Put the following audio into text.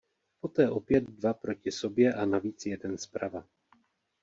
Poté opět dva proti sobě a navíc jeden zprava.